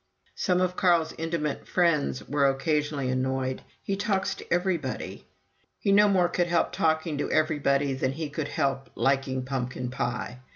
Some of Carl's intimate friends were occasionally annoyed "He talks to everybody." He no more could help talking to everybody than he could help liking pumpkin pie.